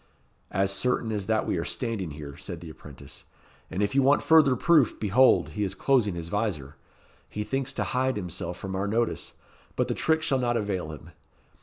"As certain as that we are standing here," said the apprentice; "and if you want further proof, behold, he is closing his visor. He thinks to hide himself from our notice; but the trick shall not avail him.